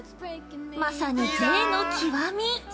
まさに贅の極み。